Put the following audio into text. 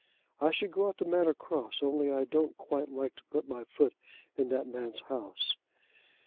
I should go out to Manor Cross, only I don't quite like to put my foot in that man's house."